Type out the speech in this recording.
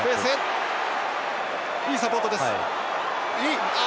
いいサポートです。